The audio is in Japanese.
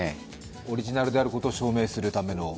オリジナルであることを証明するための。